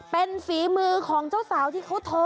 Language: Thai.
เป็นฝีมือของเจ้าสาวที่เขาท้อ